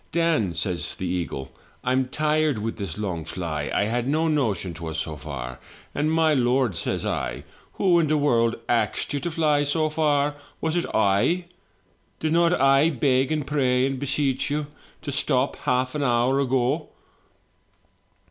" 'Dan,' says the eagle, 'I'm tired with this long fly. I had no notion 'twas so far!' " 'And my lord, sir,' says I, 'who in the world axed you to fiy so far — was it I? Did not I beg and pray and beseech you to stop half an hour ago?'